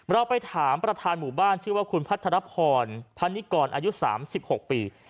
เราไปถามประธานหมู่บ้านชื่อว่าคุณพัทรพรพนิกรอายุ๓๖ปี